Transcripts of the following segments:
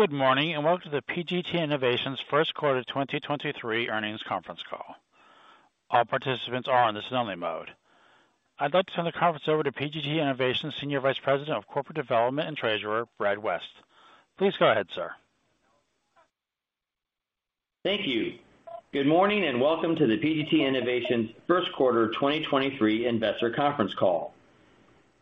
Good morning, welcome to the PGT Innovations first quarter 2023 earnings conference call. All participants are in listen only mode. I'd like to turn the conference over to PGT Innovations Senior Vice President of Corporate Development and Treasurer, Brad West. Please go ahead, sir. Thank you. Good morning and welcome to the PGT Innovations first quarter 2023 investor conference call.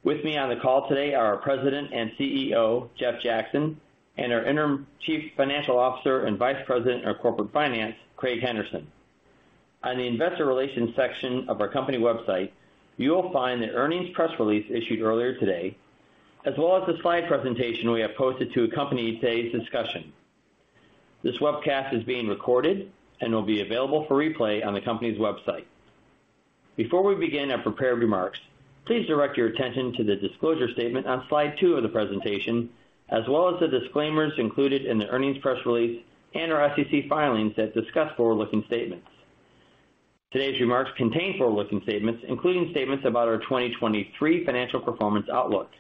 With me on the call today are our President and CEO, Jeff Jackson, and our Interim Chief Financial Officer and Vice President of Corporate Finance, Craig Henderson. On the investor relations section of our company website, you will find the earnings press release issued earlier today, as well as the slide presentation we have posted to accompany today's discussion. This webcast is being recorded and will be available for replay on the company's website. Before we begin our prepared remarks, please direct your attention to the disclosure statement on slide two of the presentation, as well as the disclaimers included in the earnings press release and our SEC filings that discuss forward-looking statements. Today's remarks contain forward-looking statements, including statements about our 2023 financial performance outlook.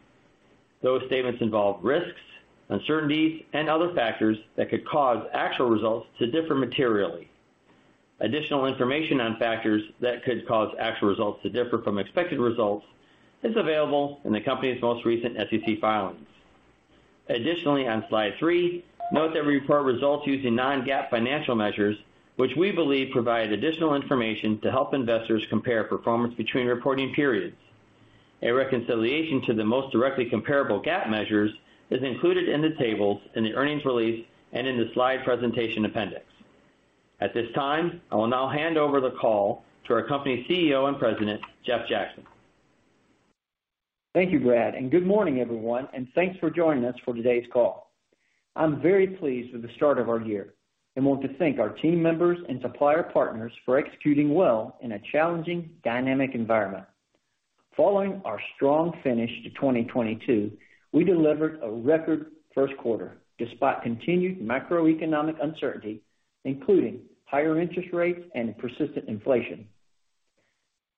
Those statements involve risks, uncertainties, and other factors that could cause actual results to differ materially. Additional information on factors that could cause actual results to differ from expected results is available in the company's most recent SEC filings. Additionally, on slide three, note that we report results using non-GAAP financial measures, which we believe provide additional information to help investors compare performance between reporting periods. A reconciliation to the most directly comparable GAAP measures is included in the tables in the earnings release and in the slide presentation appendix. At this time, I will now hand over the call to our company CEO and President, Jeff Jackson. Thank you, Brad. Good morning, everyone, and thanks for joining us for today's call. I'm very pleased with the start of our year and want to thank our team members and supplier partners for executing well in a challenging, dynamic environment. Following our strong finish to 2022, we delivered a record first quarter despite continued macroeconomic uncertainty, including higher interest rates and persistent inflation.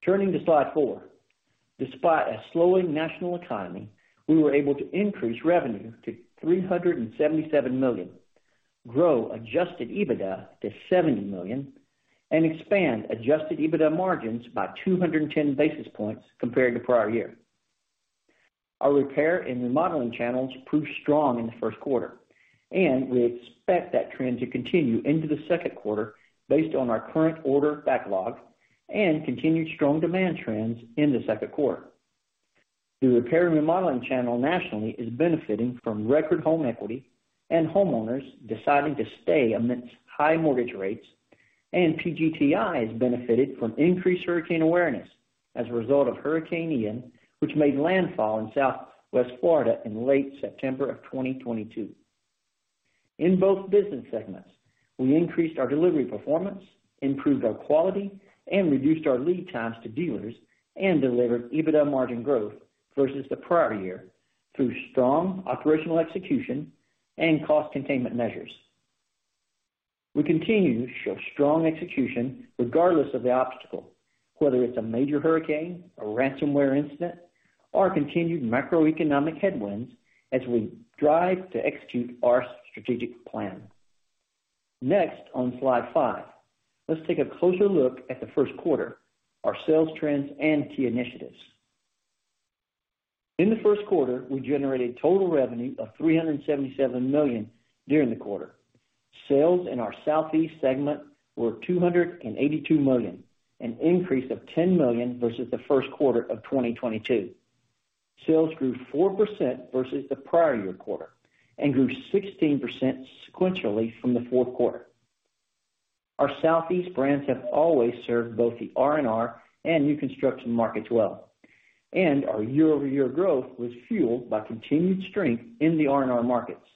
Turning to slide four. Despite a slowing national economy, we were able to increase revenue to $377 million, grow adjusted EBITDA to $70 million, and expand adjusted EBITDA margins by 210 basis points compared to prior year. Our repair and remodeling channels proved strong in the first quarter. We expect that trend to continue into the second quarter based on our current order backlog and continued strong demand trends in the second quarter. The repair and remodeling channel nationally is benefiting from record home equity and homeowners deciding to stay amidst high mortgage rates. PGTI has benefited from increased hurricane awareness as a result of Hurricane Ian, which made landfall in Southwest Florida in late September of 2022. In both business segments, we increased our delivery performance, improved our quality, and reduced our lead times to dealers and delivered EBITDA margin growth versus the prior year through strong operational execution and cost containment measures. We continue to show strong execution regardless of the obstacle, whether it's a major hurricane, a ransomware incident, or continued macroeconomic headwinds as we drive to execute our strategic plan. Next, on slide five, let's take a closer look at the first quarter, our sales trends and key initiatives. In the first quarter, we generated total revenue of $377 million during the quarter. Sales in our Southeast segment were $282 million, an increase of $10 million versus the first quarter of 2022. Sales grew 4% versus the prior year quarter and grew 16% sequentially from the fourth quarter. Our Southeast brands have always served both the R&R and new construction markets well, and our year-over-year growth was fueled by continued strength in the R&R markets.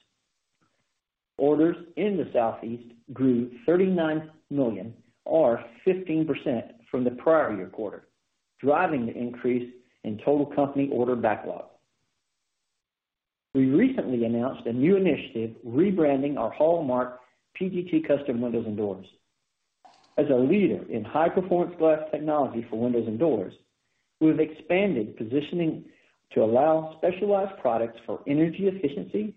Orders in the Southeast grew $39 million or 15% from the prior year quarter, driving the increase in total company order backlog. We recently announced a new initiative rebranding our hallmark PGT Custom Windows and Doors. As a leader in high-performance glass technology for windows and doors, we have expanded positioning to allow specialized products for energy efficiency,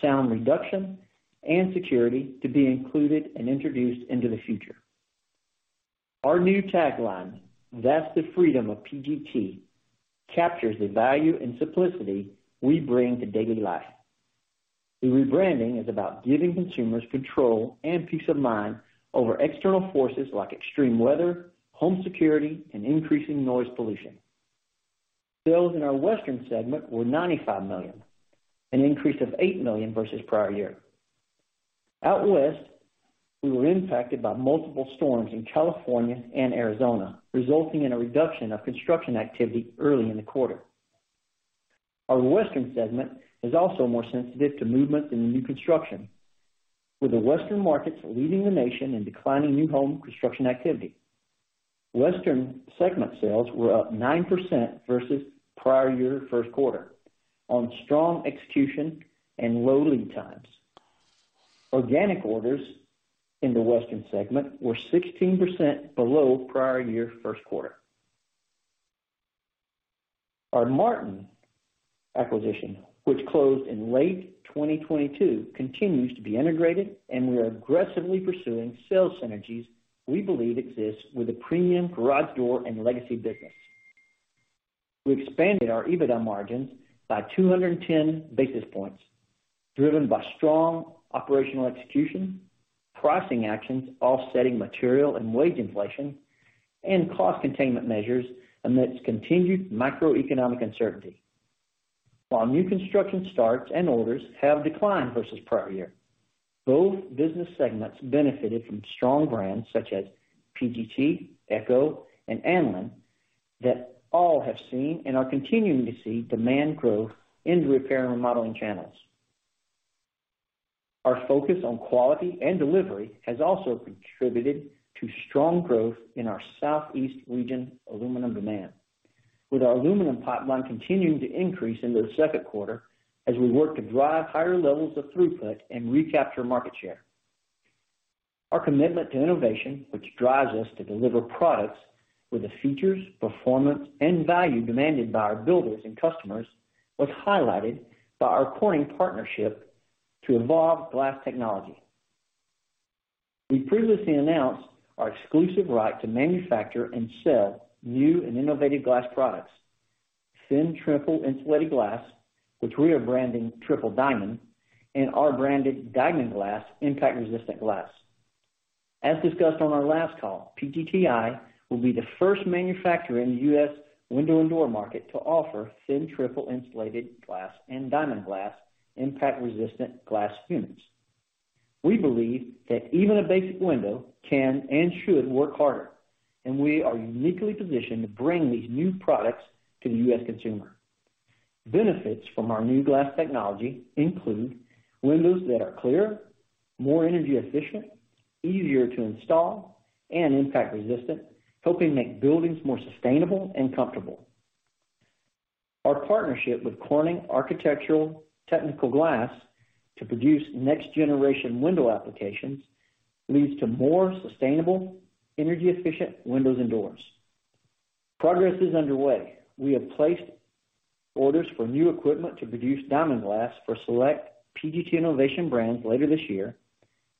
sound reduction, and security to be included and introduced into the future. Our new tagline, "That's the freedom of PGT," captures the value and simplicity we bring to daily life. The rebranding is about giving consumers control and peace of mind over external forces like extreme weather, home security, and increasing noise pollution. Sales in our Western segment were $95 million, an increase of $8 million versus prior year. Out West, we were impacted by multiple storms in California and Arizona, resulting in a reduction of construction activity early in the quarter. Our Western segment is also more sensitive to movement in new construction, with the Western markets leading the nation in declining new home construction activity. Western segment sales were up 9% versus prior year first quarter on strong execution and low lead times. Organic orders in the Western segment were 16% below prior year first quarter. Our Martin acquisition, which closed in late 2022, continues to be integrated and we are aggressively pursuing sales synergies we believe exist with a premium garage door and legacy business. We expanded our EBITDA margins by 210 basis points, driven by strong operational execution, pricing actions offsetting material and wage inflation and cost containment measures amidst continued macroeconomic uncertainty. While new construction starts and orders have declined versus prior year, both business segments benefited from strong brands such as PGT, Eco and Anlin that all have seen and are continuing to see demand growth in repair and remodeling channels. Our focus on quality and delivery has also contributed to strong growth in our Southeast region aluminum demand, with our aluminum pipeline continuing to increase into the second quarter as we work to drive higher levels of throughput and recapture market share. Our commitment to innovation, which drives us to deliver products with the features, performance and value demanded by our builders and customers, was highlighted by our Corning partnership to evolve glass technology. We previously announced our exclusive right to manufacture and sell new and innovative glass products, thin triple insulated glass, which we are branding Triple Diamond, and our branded Diamond Glass Impact Resistant Glass. As discussed on our last call, PGTI will be the first manufacturer in the U.S. window and door market to offer thin triple insulated glass and Diamond Glass impact-resistant glass units. We believe that even a basic window can and should work harder, and we are uniquely positioned to bring these new products to the U.S. consumer. Benefits from our new glass technology include windows that are clearer, more energy efficient, easier to install and impact-resistant, helping make buildings more sustainable and comfortable. Our partnership with Corning Architectural Technical Glass to produce next generation window applications leads to more sustainable, energy efficient windows and doors. Progress is underway. We have placed orders for new equipment to produce Diamond Glass for select PGT Innovations brands later this year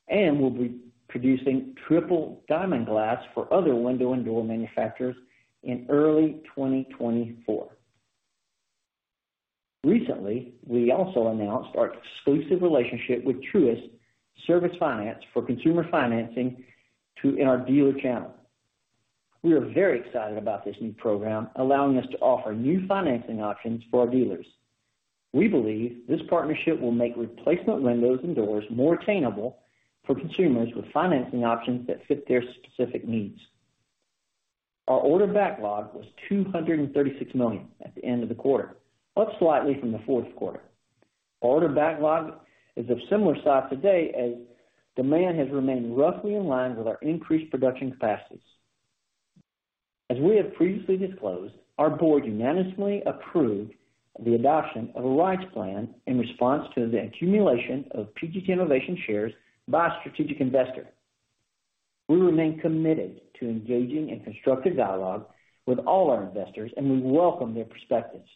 and will be producing Triple Diamond Glass for other window and door manufacturers in early 2024. Recently, we also announced our exclusive relationship with Truist Service Finance for consumer financing in our dealer channel. We are very excited about this new program allowing us to offer new financing options for our dealers. We believe this partnership will make replacement windows and doors more attainable for consumers with financing options that fit their specific needs. Our order backlog was $236 million at the end of the quarter, up slightly from the fourth quarter. Our order backlog is of similar size today as demand has remained roughly in line with our increased production capacities. As we have previously disclosed, our board unanimously approved the adoption of a rights plan in response to the accumulation of PGT Innovations shares by a strategic investor. We remain committed to engaging in constructive dialogue with all our investors, and we welcome their perspectives.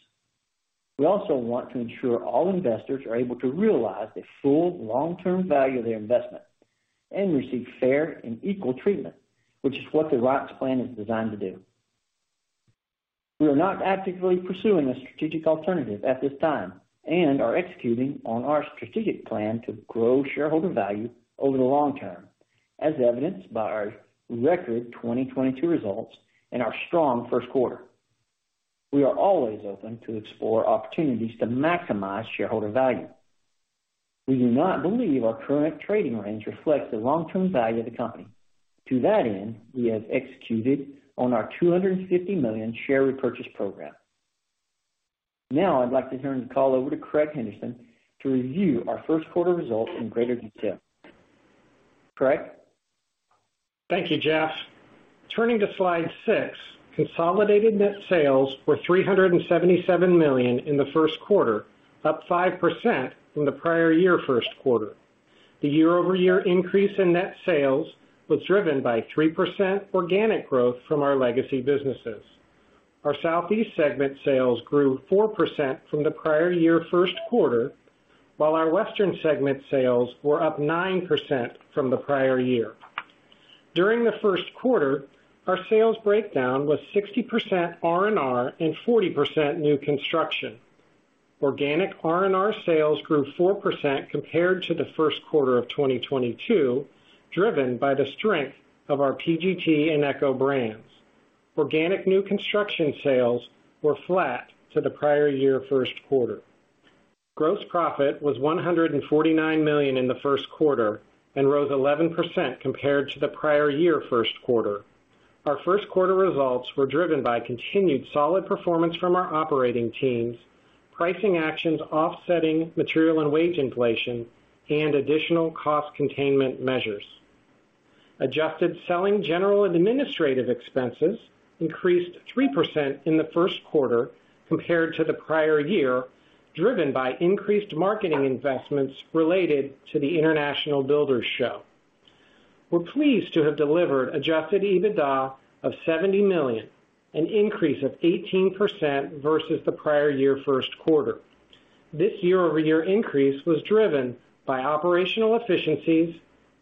We also want to ensure all investors are able to realize the full long-term value of their investment and receive fair and equal treatment, which is what the rights plan is designed to do. We are not actively pursuing a strategic alternative at this time and are executing on our strategic plan to grow shareholder value over the long term, as evidenced by our record 2022 results and our strong first quarter. We are always open to explore opportunities to maximize shareholder value. We do not believe our current trading range reflects the long-term value of the company. To that end, we have executed on our $250 million share repurchase program. Now I'd like to turn the call over to Craig Henderson to review our first quarter results in greater detail. Craig? Thank you, Jeff. Turning to slide six. Consolidated net sales were $377 million in the first quarter, up 5% from the prior year first quarter. The year-over-year increase in net sales was driven by 3% organic growth from our legacy businesses. Our Southeast segment sales grew 4% from the prior year first quarter, while our Western segment sales were up 9% from the prior year. During the first quarter, our sales breakdown was 60% R&R and 40% new construction. Organic R&R sales grew 4% compared to the first quarter of 2022, driven by the strength of our PGT and Eco brands. Organic new construction sales were flat to the prior year first quarter. Gross profit was $149 million in the first quarter and rose 11% compared to the prior year first quarter. Our first quarter results were driven by continued solid performance from our operating teams, pricing actions offsetting material and wage inflation and additional cost containment measures. Adjusted selling, general and administrative expenses increased 3% in the first quarter compared to the prior year, driven by increased marketing investments related to the International Builders' Show. We're pleased to have delivered adjusted EBITDA of $70 million, an increase of 18% versus the prior year first quarter. This year-over-year increase was driven by operational efficiencies,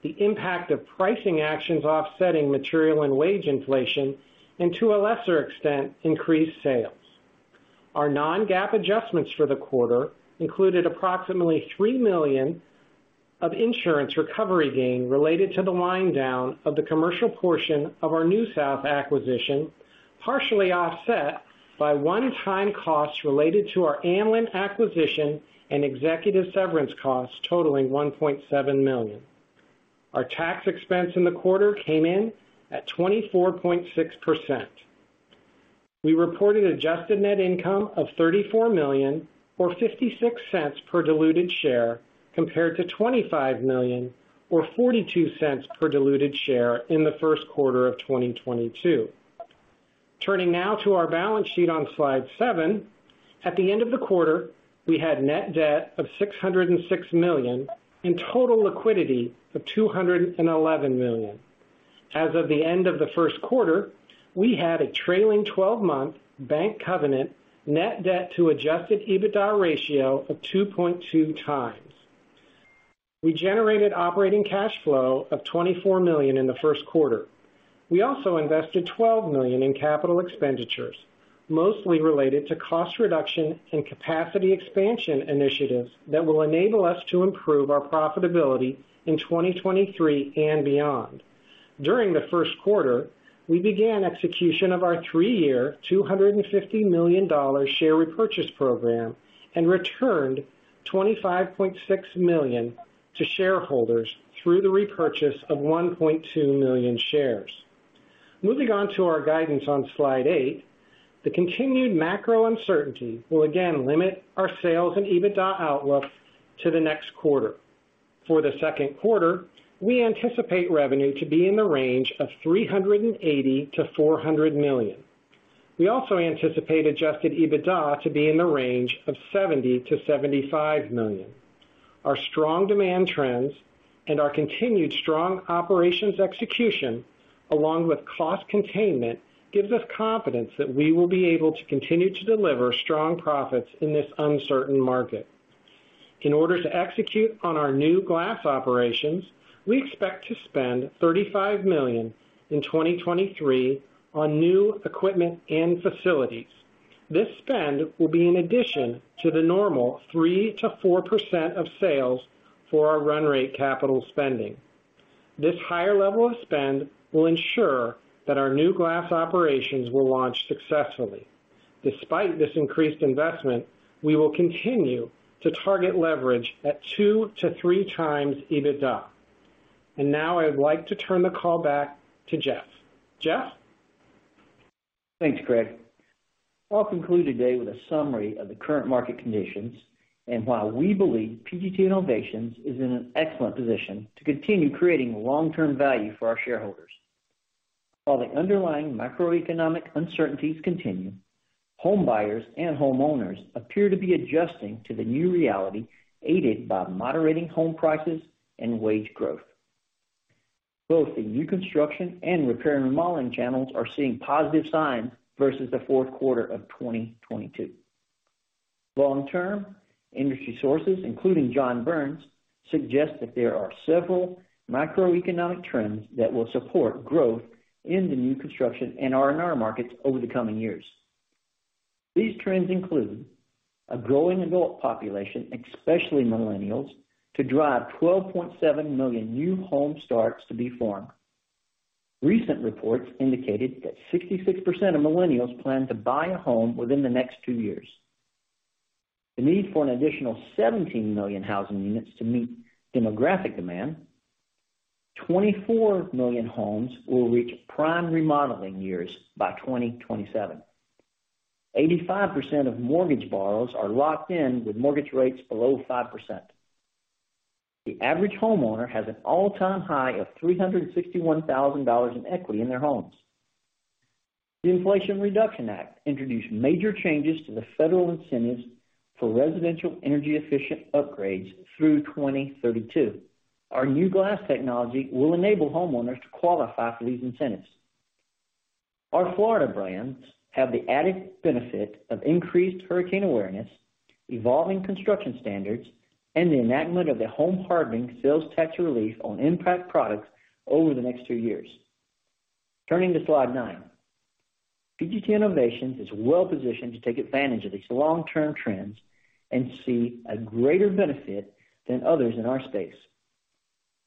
the impact of pricing actions offsetting material and wage inflation, and to a lesser extent, increased sales. Our non-GAAP adjustments for the quarter included approximately $3 million of insurance recovery gain related to the wind-down of the commercial portion of our NewSouth acquisition, partially offset by one-time costs related to our Anlin acquisition and executive severance costs totaling $1.7 million. Our tax expense in the quarter came in at 24.6%. We reported adjusted net income of $34 million, or $0.56 per diluted share, compared to $25 million or $0.42 per diluted share in the first quarter of 2022. Turning now to our balance sheet on slide seven. At the end of the quarter, we had net debt of $606 million and total liquidity of $211 million. As of the end of the first quarter, we had a trailing 12-month bank covenant net debt to adjusted EBITDA ratio of 2.2x. We generated operating cash flow of $24 million in the first quarter. We also invested $12 million in capital expenditures, mostly related to cost reduction and capacity expansion initiatives that will enable us to improve our profitability in 2023 and beyond. During the first quarter, we began execution of our three-year, $250 million share repurchase program and returned $25.6 million to shareholders through the repurchase of 1.2 million shares. Moving on to our guidance on slide eight. The continued macro uncertainty will again limit our sales and EBITDA outlook to the next quarter. For the second quarter, we anticipate revenue to be in the range of $380 million-$400 million. We also anticipate adjusted EBITDA to be in the range of $70 million-$75 million. Our strong demand trends and our continued strong operations execution, along with cost containment, gives us confidence that we will be able to continue to deliver strong profits in this uncertain market. In order to execute on our new glass operations, we expect to spend $35 million in 2023 on new equipment and facilities. This spend will be in addition to the normal 3%-4% of sales for our run rate capital spending. This higher level of spend will ensure that our new glass operations will launch successfully. Despite this increased investment, we will continue to target leverage at 2x-3x EBITDA. Now I'd like to turn the call back to Jeff. Jeff? Thanks, Craig. I'll conclude today with a summary of the current market conditions and why we believe PGT Innovations is in an excellent position to continue creating long-term value for our shareholders. While the underlying macroeconomic uncertainties continue, homebuyers and homeowners appear to be adjusting to the new reality, aided by moderating home prices and wage growth. Both the new construction and repair and remodeling channels are seeing positive signs versus the fourth quarter of 2022. Long term, industry sources, including John Burns, suggest that there are several macroeconomic trends that will support growth in the new construction and R&R markets over the coming years. These trends include a growing adult population, especially millennials, to drive 12.7 million new home starts to be formed. Recent reports indicated that 66% of millennials plan to buy a home within the next two years. The need for an additional 17 million housing units to meet demographic demand. 24 million homes will reach prime remodeling years by 2027. 85% of mortgage borrowers are locked in with mortgage rates below 5%. The average homeowner has an all-time high of $361,000 in equity in their homes. The Inflation Reduction Act introduced major changes to the federal incentives for residential energy-efficient upgrades through 2032. Our new glass technology will enable homeowners to qualify for these incentives. Our Florida brands have the added benefit of increased hurricane awareness, evolving construction standards, and the enactment of the Home Hardening Sales Tax relief on impact products over the next two years. Turning to slide nine. PGT Innovations is well-positioned to take advantage of these long-term trends and see a greater benefit than others in our space.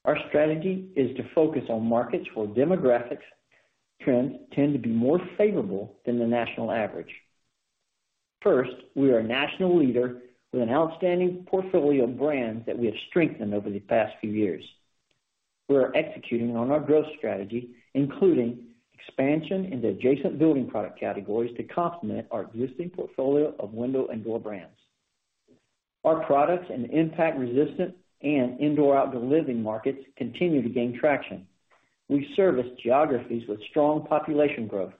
Our strategy is to focus on markets where demographic trends tend to be more favorable than the national average. First, we are a national leader with an outstanding portfolio of brands that we have strengthened over the past few years. We are executing on our growth strategy, including expansion into adjacent building product categories to complement our existing portfolio of window and door brands. Our products and impact-resistant and indoor-outdoor living markets continue to gain traction. We service geographies with strong population growth.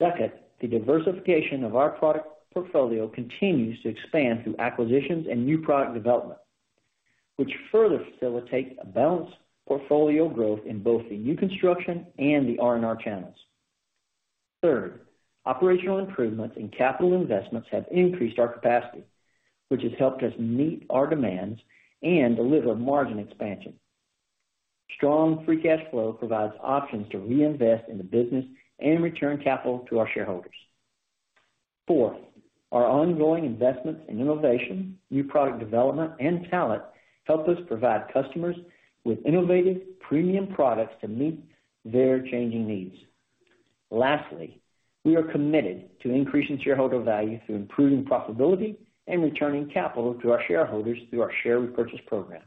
Second, the diversification of our product portfolio continues to expand through acquisitions and new product development, which further facilitates a balanced portfolio growth in both the new construction and the RNR channels. Third, operational improvements in capital investments have increased our capacity, which has helped us meet our demands and deliver margin expansion. Strong free cash flow provides options to reinvest in the business and return capital to our shareholders. Fourth, our ongoing investments in innovation, new product development, and talent help us provide customers with innovative premium products to meet their changing needs. Lastly, we are committed to increasing shareholder value through improving profitability and returning capital to our shareholders through our share repurchase program.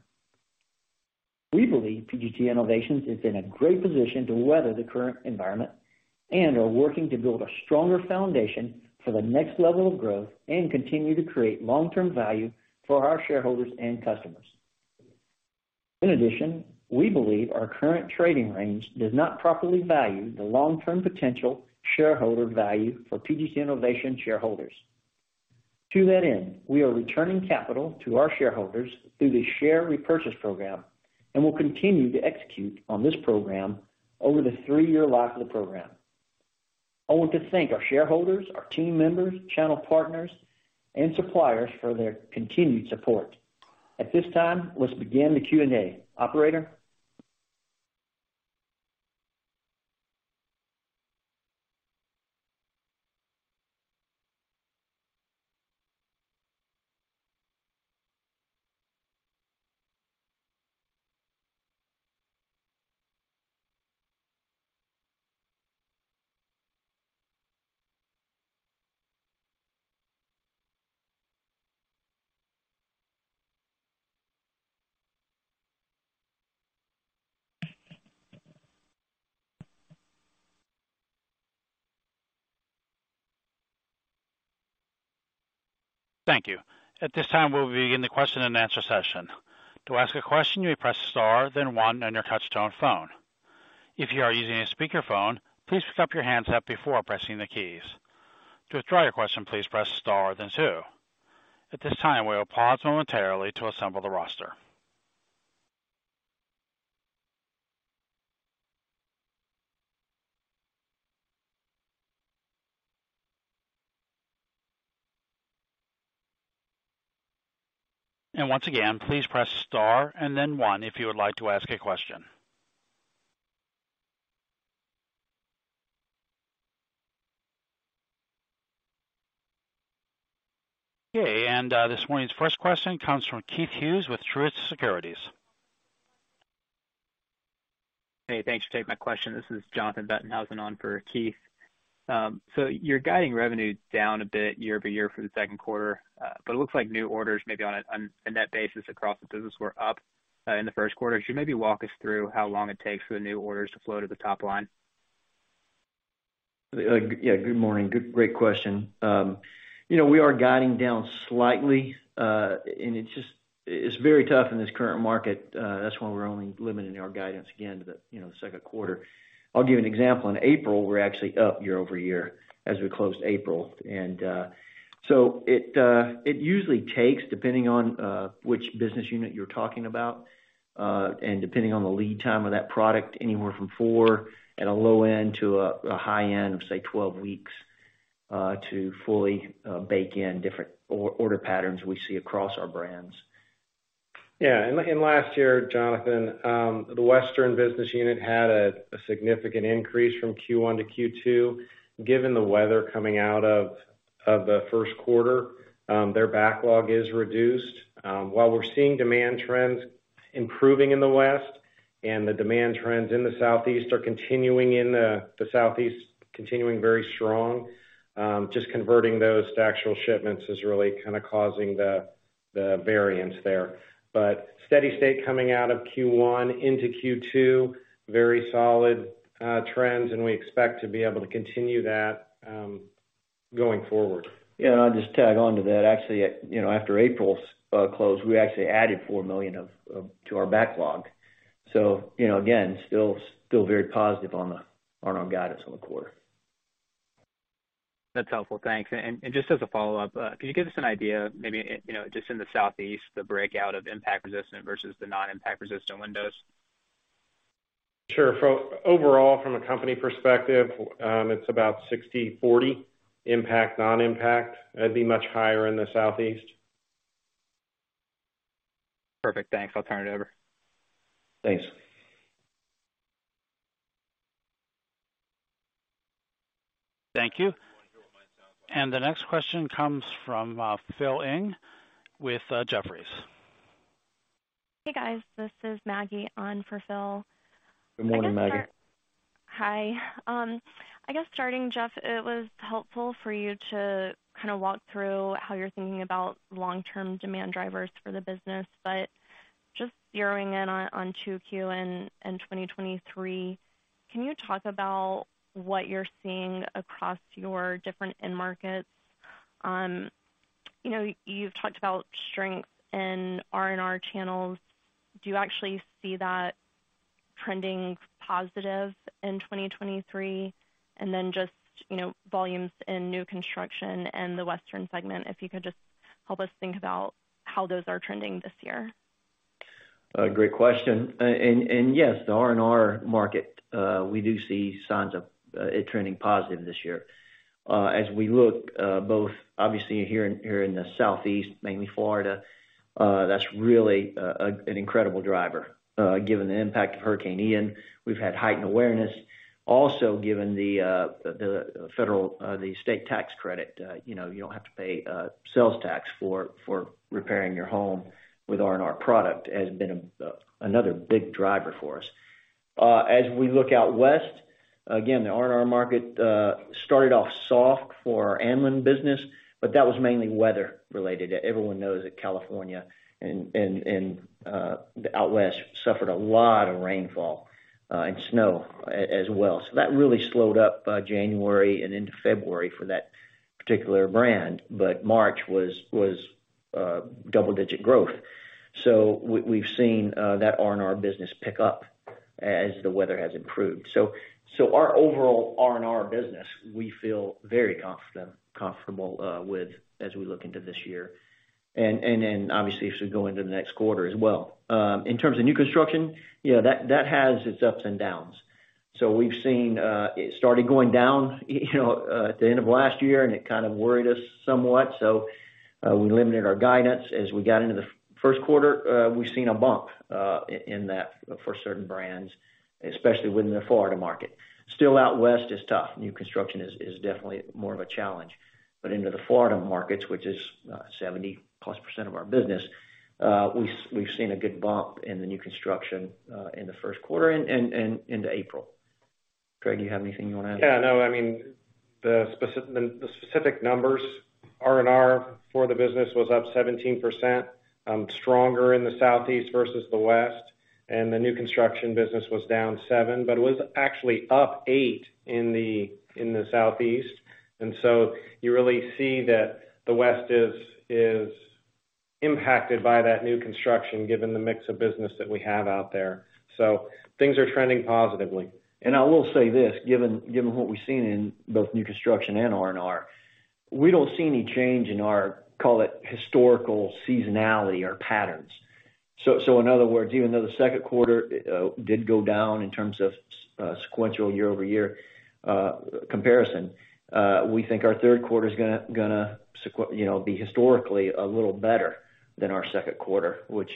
We believe PGT Innovations is in a great position to weather the current environment and are working to build a stronger foundation for the next level of growth and continue to create long-term value for our shareholders and customers. In addition, we believe our current trading range does not properly value the long-term potential shareholder value for PGT Innovations shareholders. To that end, we are returning capital to our shareholders through the share repurchase program and will continue to execute on this program over the three-year life of the program. I want to thank our shareholders, our team members, channel partners, and suppliers for their continued support. At this time, let's begin the Q&A. Operator? Thank you. At this time, we'll begin the question-and-answer session. To ask a question, you may press star, then one on your touch-tone phone. If you are using a speakerphone, please pick up your handset before pressing the keys. To withdraw your question, please press Star, then two. At this time, we will pause momentarily to assemble the roster. Once again, please press Star and then one if you would like to ask a question. Okay. This morning's first question comes from Keith Hughes with Truist Securities. Hey, thanks for taking my question. This is Jonathan Bettenhausen on for Keith. You're guiding revenue down a bit year-over-year for the second quarter, but it looks like new orders may be on a net basis across the business were up in the first quarter. Could you maybe walk us through how long it takes for the new orders to flow to the top line? Yeah, good morning. Great question. You know, we are guiding down slightly. It's very tough in this current market, that's why we're only limiting our guidance again to the, you know, second quarter. I'll give you an example. In April, we're actually up year-over-year as we closed April. It usually takes, depending on which business unit you're talking about, depending on the lead time of that product, anywhere from four at a low end to a high end of, say, 12 weeks, to fully bake in different order patterns we see across our brands. Yeah. Last year, Jonathan, the Western business unit had a significant increase from Q1-Q2. Given the weather coming out of the first quarter, their backlog is reduced. While we're seeing demand trends improving in the West and the demand trends in the Southeast are continuing in the Southeast continuing very strong, just converting those to actual shipments is really kind of causing the variance there. Steady state coming out of Q1 into Q2, very solid trends, and we expect to be able to continue that going forward. I'll just tag on to that. Actually, you know, after April's close, we actually added $4 million to our backlog. You know, again, still very positive on our guidance on the quarter. That's helpful. Thanks. Just as a follow-up, can you give us an idea, maybe, you know, just in the Southeast, the breakout of impact resistant versus the non-impact resistant windows? Sure. Overall, from a company perspective, it's about 60/40 impact/non-impact. It'd be much higher in the Southeast. Perfect. Thanks. I'll turn it over. Thanks. Thank you. The next question comes from Philip Ng with Jefferies. Hey, guys. This is Maggie on for Phil. Good morning, Maggie. Hi. I guess starting, Jeff, it was helpful for you to kind of walk through how you're thinking about long-term demand drivers for the business. Just zeroing in on 2Q and 2023, can you talk about what you're seeing across your different end markets? You know, you've talked about strengths in RNR channels. Do you actually see that trending positive in 2023. Just, you know, volumes in new construction and the Western segment, if you could just help us think about how those are trending this year. Great question. Yes, the R&R market, we do see signs of it trending positive this year. As we look, both obviously here in the Southeast, mainly Florida, that's really an incredible driver. Given the impact of Hurricane Ian, we've had heightened awareness. Also, given the federal, the state tax credit, you know, you don't have to pay sales tax for repairing your home with R&R product has been another big driver for us. As we look out west, again, the R&R market, started off soft for our Anlin business, but that was mainly weather related. Everyone knows that California and the out west suffered a lot of rainfall and snow as well. That really slowed up January and into February for that particular brand. March was double-digit growth. We've seen that R&R business pick up as the weather has improved. Our overall R&R business, we feel very confident comfortable with as we look into this year and then obviously as we go into the next quarter as well. In terms of new construction, yeah, that has its ups and downs. We've seen it started going down, you know, at the end of last year, and it kind of worried us somewhat. We limited our guidance. As we got into the first quarter, we've seen a bump in that for certain brands, especially within the Florida market. Still out west is tough. New construction is definitely more of a challenge. Into the Florida markets, which is, 70%+ of our business, we've seen a good bump in the new construction in the first quarter and into April. Craig, do you have anything you wanna add? Yeah, no, I mean, the specific numbers, R&R for the business was up 17%, stronger in the Southeast versus the Western, and the new construction business was down seven, but it was actually up eight in the, in the Southeast. You really see that the Western is impacted by that new construction given the mix of business that we have out there. Things are trending positively. I will say this, given what we've seen in both new construction and R&R, we don't see any change in our, call it, historical seasonality or patterns. In other words, even though the second quarter did go down in terms of sequential year-over-year comparison, we think our third quarter is gonna you know, be historically a little better than our second quarter, which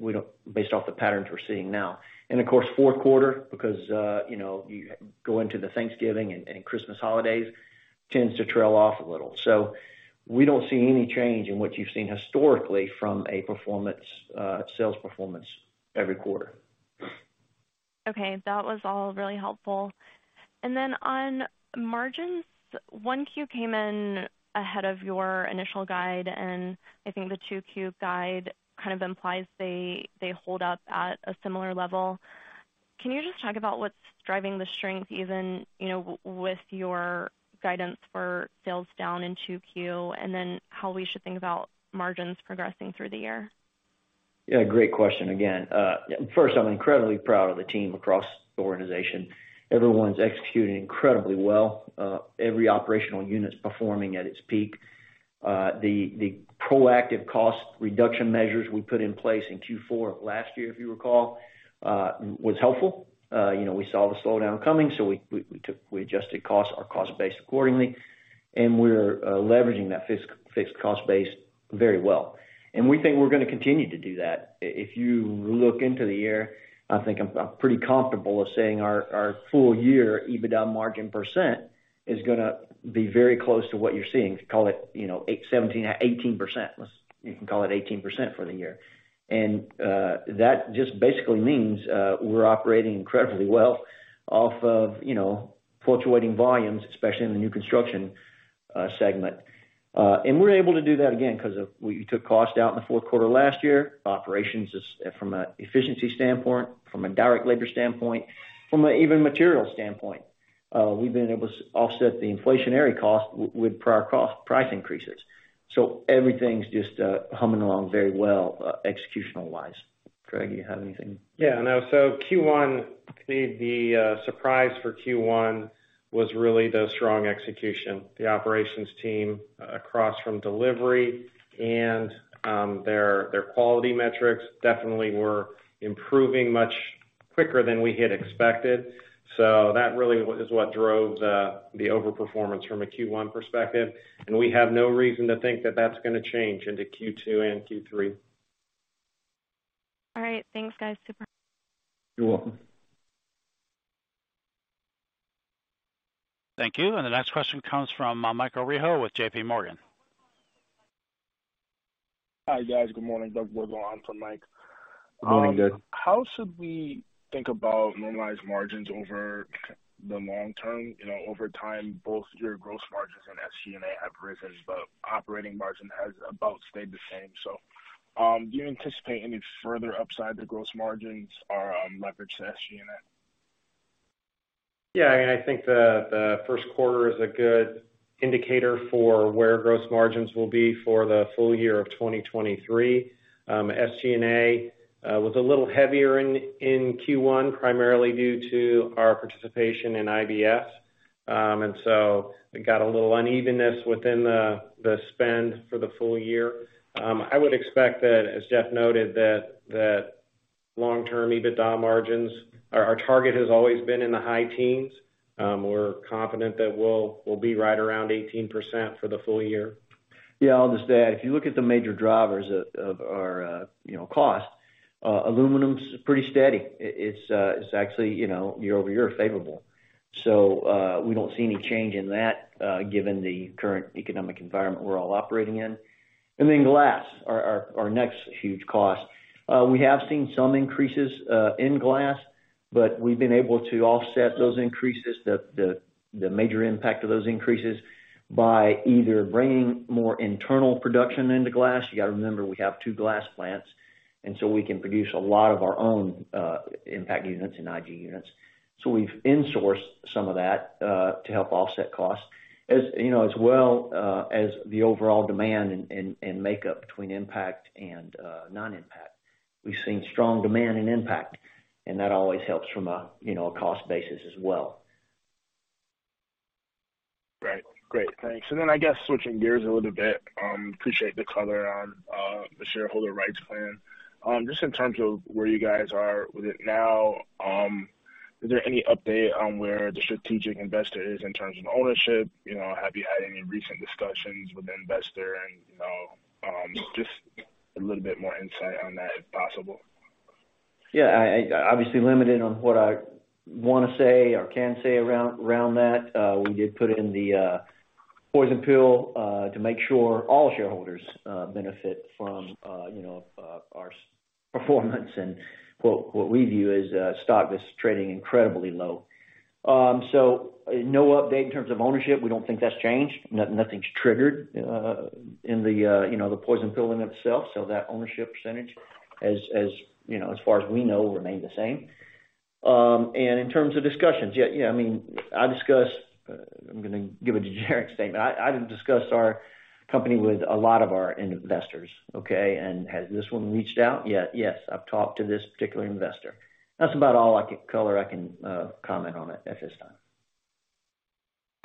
we don't. Based off the patterns we're seeing now. Of course, fourth quarter, because you know, you go into the Thanksgiving and Christmas holidays, tends to trail off a little. We don't see any change in what you've seen historically from a performance, sales performance every quarter. Okay, that was all really helpful. On margins, 1Q came in ahead of your initial guide. I think the 2Q guide kind of implies they hold up at a similar level. Can you just talk about what's driving the strength even, you know, with your guidance for sales down in 2Q and how we should think about margins progressing through the year? Yeah, great question again. First, I'm incredibly proud of the team across the organization. Everyone's executing incredibly well. Every operational unit is performing at its peak. The proactive cost reduction measures we put in place in Q4 of last year, if you recall, was helpful. You know, we saw the slowdown coming, so we adjusted costs, our cost base accordingly, and we're leveraging that fixed cost base very well. We think we're gonna continue to do that. If you look into the year, I think I'm pretty comfortable with saying our full year EBITDA margin percent is gonna be very close to what you're seeing. Call it, you know, 17%-18%. You can call it 18% for the year. That just basically means we're operating incredibly well off of, you know, fluctuating volumes, especially in the new construction segment. We're able to do that again because of we took cost out in the fourth quarter last year. Operations is from a efficiency standpoint, from a direct labor standpoint, from a even material standpoint. We've been able to offset the inflationary cost with prior cost price increases. Everything's just humming along very well, executional-wise. Craig, you have anything? Yeah, no. Q1, the surprise for Q1 was really the strong execution. The operations team across from delivery and their quality metrics definitely were improving much quicker than we had expected. That really was what drove the overperformance from a Q1 perspective. We have no reason to think that that's gonna change into Q2 and Q3. All right. Thanks, guys. Super. You're welcome. Thank you. The next question comes from, Michael Rehaut with J.P. Morgan. Hi, guys. Good morning. Doug Wardlaw on for Mike. Good morning, Doug. How should we think about normalized margins over the long term? You know, over time, both your gross margins and SG&A have risen, but operating margin has about stayed the same. Do you anticipate any further upside to gross margins or leverage to SG&A? I think the first quarter is a good indicator for where gross margins will be for the full year of 2023. SG&A was a little heavier in Q1, primarily due to our participation in IBS. We got a little unevenness within the spend for the full year. I would expect that, as Jeff noted, that long-term EBITDA margins, our target has always been in the high teens. We're confident that we'll be right around 18% for the full year. Yeah, I'll just add, if you look at the major drivers of our, you know, cost, aluminum's pretty steady. It's actually, you know, year-over-year favorable. We don't see any change in that, given the current economic environment we're all operating in. Glass, our next huge cost. We have seen some increases in glass, but we've been able to offset those increases, the major impact of those increases, by either bringing more internal production into glass. You gotta remember, we have two glass plants, we can produce a lot of our own impact units and IG units. We've insourced some of that to help offset costs. As, you know, as well, as the overall demand and makeup between impact and non-impact. We've seen strong demand and impact, that always helps from a, you know, a cost basis as well. Right. Great. Thanks. Then I guess switching gears a little bit, appreciate the color on the shareholder rights plan. Just in terms of where you guys are with it now, is there any update on where the strategic investor is in terms of ownership? You know, have you had any recent discussions with the investor? You know, just a little bit more insight on that, if possible? Yeah, I, obviously limited on what I wanna say or can say around that. We did put in the poison pill to make sure all shareholders benefit from, you know, our performance and what we view as a stock that's trading incredibly low. No update in terms of ownership. We don't think that's changed. Nothing's triggered in the, you know, poison pill in itself. That ownership percentage as, you know, as far as we know, remain the same. In terms of discussions, yeah, I mean, I'm gonna give a generic statement. I've discussed our company with a lot of our investors, okay? Has this one reached out? Yeah. Yes, I've talked to this particular investor. That's about all I can comment on it at this time.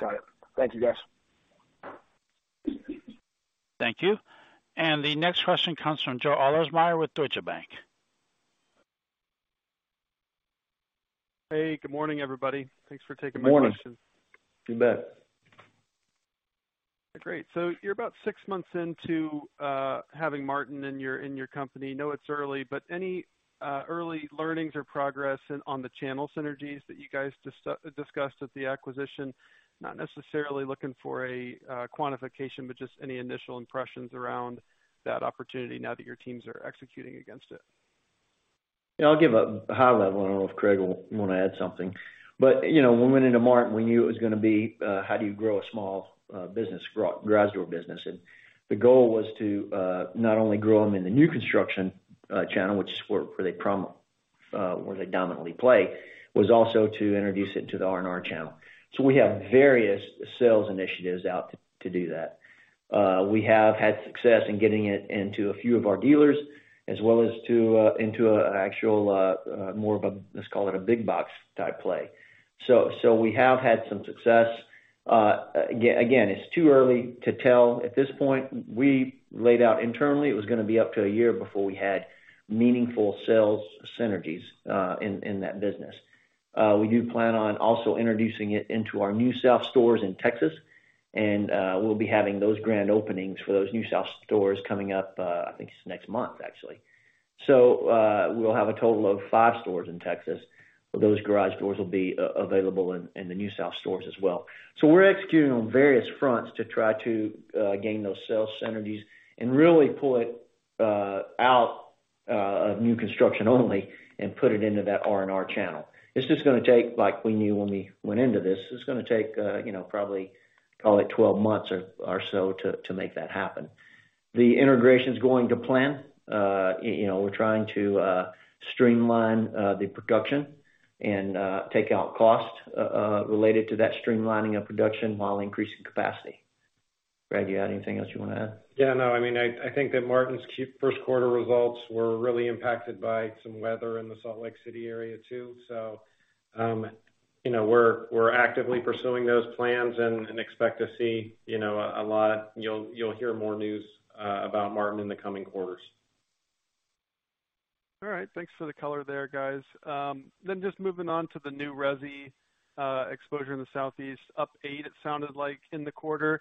Got it. Thank you, guys. Thank you. The next question comes from Joe Ahlersmeyer with Truist Securities. Hey, good morning, everybody. Thanks for taking my question. Morning. You bet. Great. You're about six months into having Martin in your company. Know it's early, but any early learnings or progress on the channel synergies that you guys discussed at the acquisition? Not necessarily looking for a quantification, but just any initial impressions around that opportunity now that your teams are executing against it. Yeah, I'll give a high level. I don't know if Craig will wanna add something. You know, when we went into Martin, we knew it was gonna be, how do you grow a small garage door business. The goal was to not only grow them in the new construction channel, which is where they dominantly play, was also to introduce it to the R&R channel. We have various sales initiatives out to do that. We have had success in getting it into a few of our dealers as well as to into an actual more of a, let's call it a big box type play. We have had some success. Again, it's too early to tell at this point. We laid out internally it was gonna be up to a year before we had meaningful sales synergies in that business. We do plan on also introducing it into our NewSouth stores in Texas. We'll be having those grand openings for those NewSouth stores coming up, I think it's next month, actually. We'll have a total of five stores in Texas, but those garage doors will be available in the NewSouth stores as well. We're executing on various fronts to try to gain those sales synergies and really pull it out of new construction only and put it into that R&R channel. It's just gonna take, like we knew when we went into this, it's gonna take, you know, probably call it 12 months or so to make that happen. The integration's going to plan. You know, we're trying to streamline the production and take out costs related to that streamlining of production while increasing capacity. Craig, you had anything else you wanna add? Yeah, no. I mean, I think that Martin's first quarter results were really impacted by some weather in the Salt Lake City area, too. You know, we're actively pursuing those plans and expect to see, you know, You'll hear more news about Martin in the coming quarters. All right. Thanks for the color there, guys. Just moving on to the new resi exposure in the Southeast. Up eight, it sounded like in the quarter.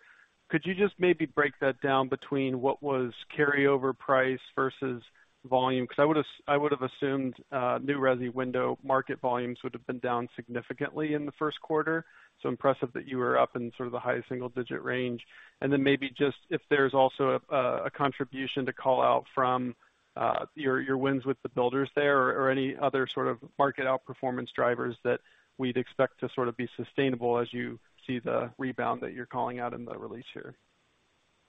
Could you just maybe break that down between what was carryover price versus volume? Because I would have assumed new resi window market volumes would have been down significantly in the first quarter. Impressive that you were up in sort of the high single-digit range. Maybe just if there's also a contribution to call out from your wins with the builders there or any other sort of market outperformance drivers that we'd expect to sort of be sustainable as you see the rebound that you're calling out in the release here.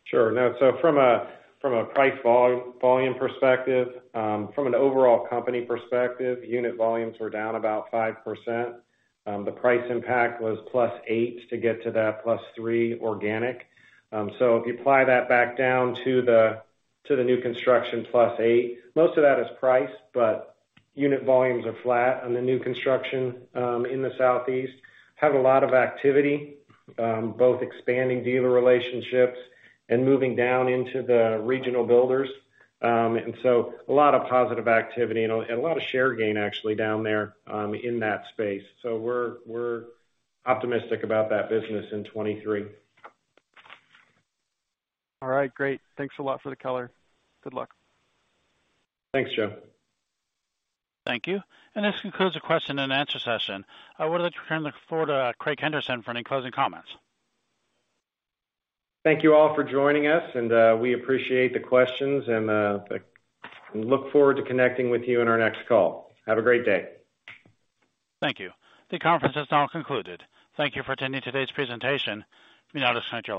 Sure. No, from a price volume perspective, from an overall company perspective, unit volumes were down about 5%. The price impact was +8 to get to that +3 organic. If you apply that back down to the new construction +8, most of that is price, but unit volumes are flat on the new construction in the Southeast. Have a lot of activity, both expanding dealer relationships and moving down into the regional builders. A lot of positive activity and a lot of share gain actually down there in that space. We're optimistic about that business in 2023. All right. Great. Thanks a lot for the color. Good luck. Thanks, Joe. Thank you. This concludes the question and answer session. I would like to turn the floor to Craig Henderson for any closing comments. Thank you all for joining us, and we appreciate the questions and look forward to connecting with you in our next call. Have a great day. Thank you. The conference has now concluded. Thank you for attending today's presentation. You may now disconnect your lines.